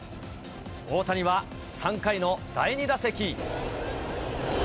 大谷は３回の第２打席。